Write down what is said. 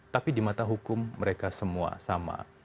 tapi di mata hukum mereka semua sama